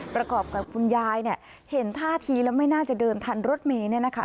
ประกอบกับคุณยายเนี่ยเห็นท่าทีแล้วไม่น่าจะเดินทันรถเมย์เนี่ยนะคะ